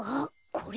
これ？